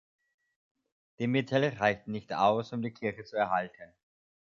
Die Mittel reichten nicht aus, um die Kirche zu erhalten.